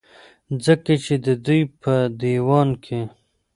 ځکه چې د دوي پۀ ديوان کې